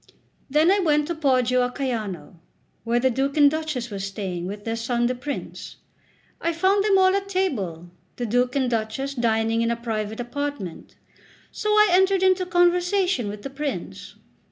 Then I went to Poggio a Caiano, where the Duke and Duchess were staying, with their son the Prince. I found them all at table, the Duke and Duchess dining in a private apartment; so I entered into conversation with the Prince.